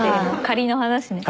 仮の話ね。